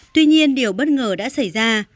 tuy nhiên điều bất ngờ đã xảy ra